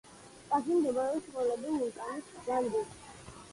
პარკში მდებარეობს ცნობილი ვულკანი ლანინი.